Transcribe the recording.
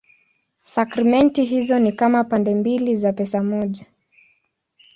Sakramenti hizo ni kama pande mbili za pesa moja.